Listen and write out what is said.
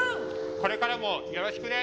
これからもよろしくね。